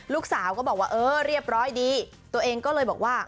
ลูกสาวก็บอกว่าเออเรียบร้อยดีตัวเองก็เลยบอกว่า